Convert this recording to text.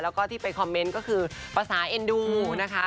แล้วก็ที่ไปคอมเมนต์ก็คือภาษาเอ็นดูนะคะ